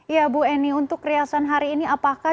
ya ibu eni untuk kriasan hari ini apakah